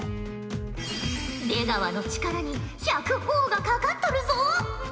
出川の力に１００ほぉがかかっとるぞ！